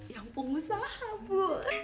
yang pengusaha bu